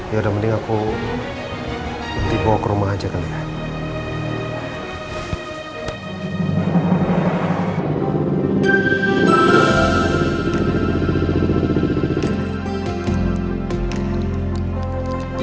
yaudah mending aku nanti bawa ke rumah aja kali ya